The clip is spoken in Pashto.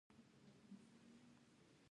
په کور کي جنګونه کوي.